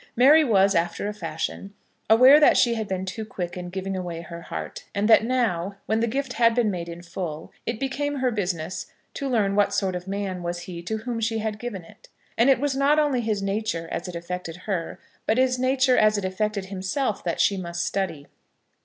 Mary was, after a fashion, aware that she had been too quick in giving away her heart, and that now, when the gift had been made in full, it became her business to learn what sort of man was he to whom she had given it. And it was not only his nature as it affected her, but his nature as it affected himself that she must study.